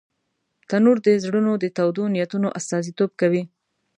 تنور د زړونو د تودو نیتونو استازیتوب کوي